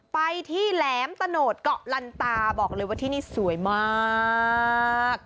ไปที่แหลมตะโนดเกาะลันตาบอกเลยว่าที่นี่สวยมาก